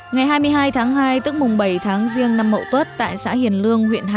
ngày hai mươi hai tháng hai tức mùng bảy tháng riêng năm mậu